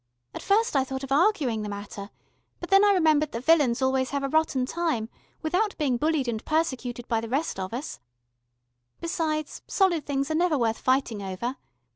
At first I thought of arguing the matter, but then I remembered that villains always have a rotten time, without being bullied and persecuted by the rest of us. Besides solid things are never worth fighting over.